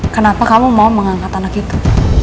kenapa kamu mau mengangkat anak itu